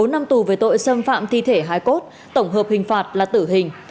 bốn năm tù về tội xâm phạm thi thể hái cốt tổng hợp hình phạt là tử hình